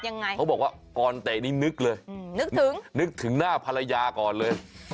นึกถึงหน้าภรรยาก่อนเลย